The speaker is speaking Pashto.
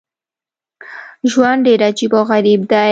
ژوند ډېر عجیب او غریب دی.